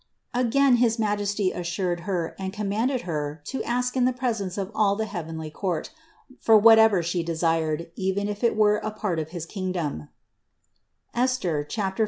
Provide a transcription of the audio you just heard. Again his Majesty assured Her and commanded Her to ask in the presence of all the heavenly court, for whatever She desired, even if it were a part of his kingdom (Esther 5, 3).